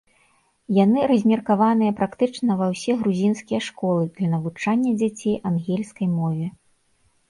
Яны размеркаваныя практычна ва ўсе грузінскія школы для навучання дзяцей ангельскай мове.